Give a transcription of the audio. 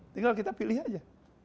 tinggal kita pilih saja